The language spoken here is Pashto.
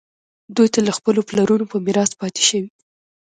دوی ته له خپلو پلرونو په میراث پاتې شوي.